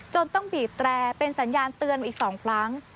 ต้องบีบแตรเป็นสัญญาณเตือนมาอีก๒ครั้ง